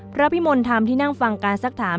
พระพิมลธรรมที่นั่งฟังการสักถาม